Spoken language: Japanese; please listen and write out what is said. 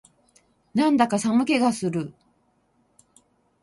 なんだか寒気がする